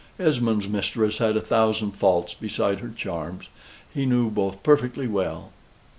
Esmond's mistress had a thousand faults beside her charms; he knew both perfectly well!